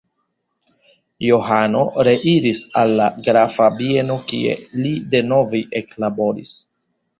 Johano reiris al la grafa bieno kie li denove eklaboris.